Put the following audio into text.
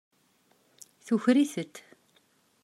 Tuker-itent.